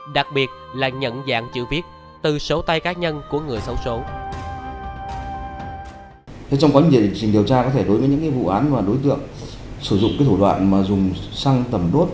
đặc biệt là nhận dạng chữ viết từ số tay cá nhân của người xấu số